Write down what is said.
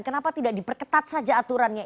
kenapa tidak diperketat saja aturannya